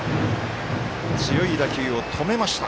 強い打球を止めました。